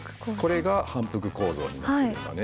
これが反復構造になるんだね。